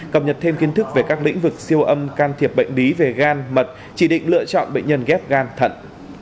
cập nhật thêm kiến thức về các lĩnh vực siêu âm can thiệp bệnh lý về gan mật chỉ định lựa chọn bệnh nhân ghép gan thận